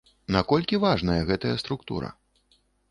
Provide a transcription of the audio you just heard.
Наколькі важная гэтая структура?